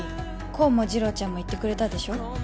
功も次郎ちゃんも言ってくれたでしょ